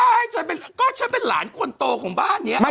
ใช่ก็ฉันเป็นหลานคนโตของบ้านนี้